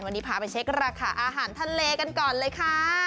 วันนี้พาไปเช็คราคาอาหารทะเลกันก่อนเลยค่ะ